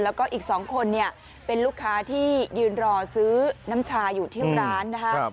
แล้วก็อีก๒คนเนี่ยเป็นลูกค้าที่ยืนรอซื้อน้ำชาอยู่ที่ร้านนะครับ